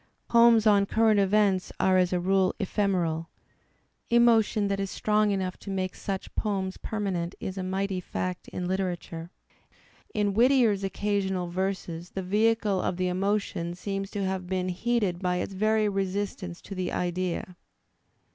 Poems on current events^are as a rule ephemeral; emotion that is strong enough to make such poems' permanent is a mighty fact ui Utera ture. In Whittier's occasional verses the vehicle of the emo tion seems to have been heated by its very resistance to the idea.